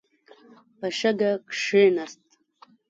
په شګه کښېناست.